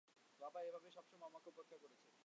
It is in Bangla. বাবা এভাবেই সবসময় আমাকে উপেক্ষা করেছে।